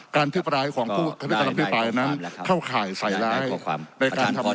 การพิบร้ายของผู้นั้นเข้าข่ายใส่ร้ายในการทำงาน